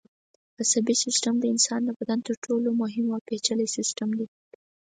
عصبي سیستم د انسان د بدن تر ټولو مهم او پېچلی سیستم دی.